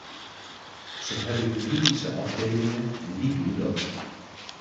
Ze hebben juridische afdelingen en die doen dat.